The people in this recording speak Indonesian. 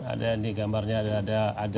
ada ini gambarnya ada ada ada